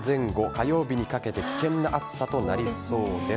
火曜日にかけて危険な暑さとなりそうです。